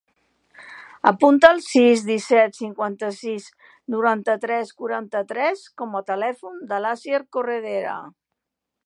Apunta el sis, disset, cinquanta-sis, noranta-tres, quaranta-tres com a telèfon de l'Asier Corredera.